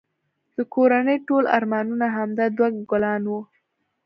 د کورنی ټول ارمانونه همدا دوه ګلان وه